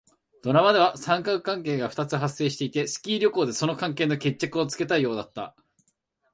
ドラマでは三角関係が二つ発生していて、スキー旅行でその関係の決着をつけたいようだった。